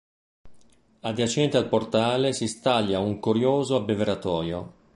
Adiacente al portale si staglia un curioso abbeveratoio.